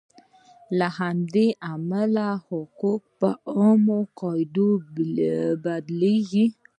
له همدې امله حقوق په عامو قاعدو بدلیږي.